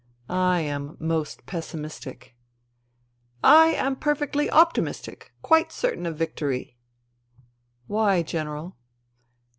" I am most pessimistic." " I am perfectly optimistic — quite certain of victory." "Why, General?"